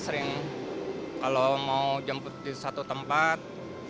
sering kalau mau jemput di satu tempat